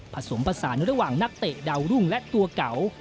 ผสมผสานระหว่างนักเตะดาวรุ่งและตัวเก่า